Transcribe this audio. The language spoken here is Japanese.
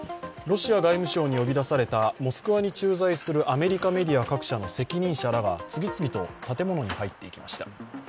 ロシア外務省に呼び出されたモスクワに駐在するアメリカメディア各社の責任者らが次々と建物に入っていきました。